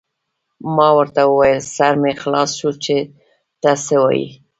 ما ورته وویل: سر مې خلاص شو، چې ته څه وایې.